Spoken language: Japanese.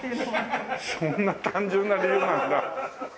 そんな単純な理由なんだ。